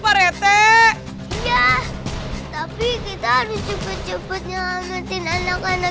apalagi kita harus buru buru nyelamatin anak anak